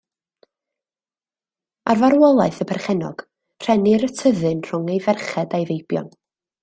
Ar farwolaeth y perchennog, rhennir y tyddyn rhwng ei ferched a'i feibion.